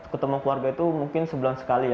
ketemu keluarga itu mungkin sebulan sekali ya